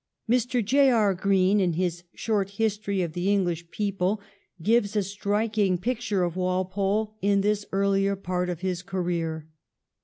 Mr. J. E. Green, in his ' Short History of the English People,' gives a striking picture of Walpole in this earlier part of his career.